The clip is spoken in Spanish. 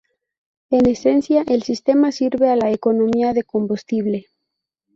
En esencia, el sistema sirve a la economía de combustible.